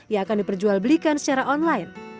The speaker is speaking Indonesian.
yang akan diperjual belikan secara online